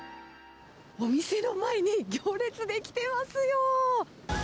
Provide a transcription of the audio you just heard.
お店の前に行列出来てますよ